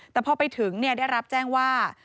แต่พอไปถึงได้รับแจ้งว่า